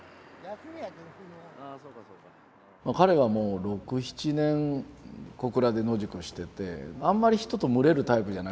彼はもう６７年ここらで野宿をしててあんまり人と群れるタイプじゃなくって。